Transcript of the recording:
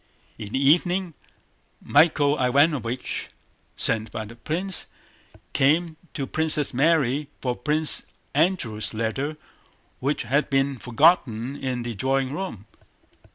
In the evening Michael Ivánovich, sent by the prince, came to Princess Mary for Prince Andrew's letter which had been forgotten in the drawing room.